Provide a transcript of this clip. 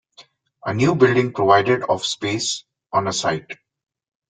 The new building provided of space, on a site.